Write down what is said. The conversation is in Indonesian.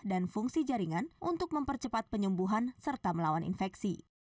dan fungsi jaringan untuk mempercepat penyembuhan serta melawan infeksi